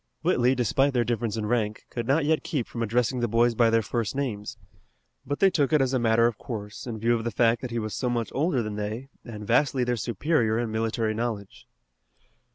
Whitley, despite their difference in rank, could not yet keep from addressing the boys by their first names. But they took it as a matter of course, in view of the fact that he was so much older than they and vastly their superior in military knowledge.